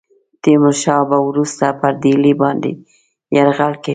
تیمور شاه به وروسته پر ډهلي باندي یرغل کوي.